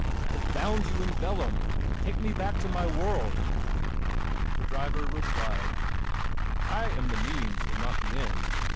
I have bound you in vellum. Take me back to my world." The driver replied, " I am the means and not the end.